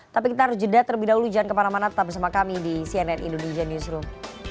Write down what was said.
tapi kita harus jeda terlebih dahulu jangan kemana mana tetap bersama kami di cnn indonesian newsroom